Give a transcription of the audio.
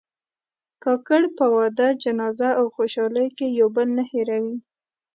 کاکړ په واده، جنازه او خوشحالۍ کې یو بل نه هېروي.